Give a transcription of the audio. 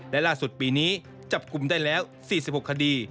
และล่าสุดปีนี้จับกลุ่มได้แล้ว๔๖คดี